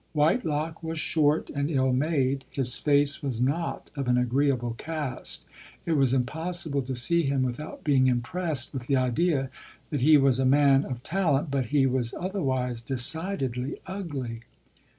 Whitelock was short and ill mack . His face was not of an agreeable cast : it was im possible to see him without being impressed with the idea that he was a man of talent ; but he was otherwise decidedly ugly.